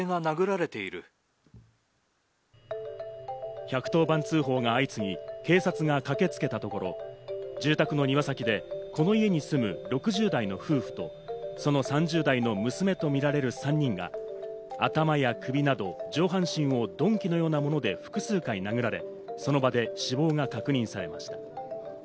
１１０番通報が相次ぎ、警察が駆けつけたところ、住宅の庭先で、この家に住む６０代の夫婦とその３０代の娘とみられる３人が頭や首など上半身を鈍器のようなもので複数回殴られ、その場で死亡が確認されました。